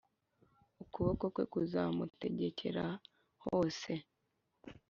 Ukuboko kwe kuzamutegekera hose.